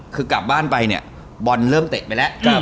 คือกลับบ้านไปเนี่ยบอลเริ่มเตะไปแล้ว